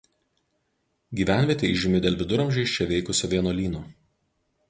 Gyvenvietė įžymi dėl viduramžiais čia veikusio vienuolyno.